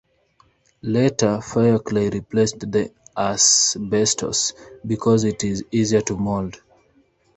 Later, fire clay replaced the asbestos because it is easier to mould.